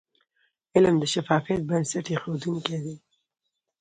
علم د شفافیت بنسټ ایښودونکی د.